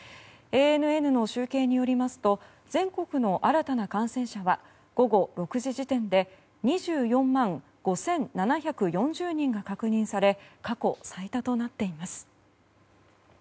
ＡＮＮの集計によりますと全国の新たな感染者は午後６時時点で２４万５７４０人が確認され過去最多となっています。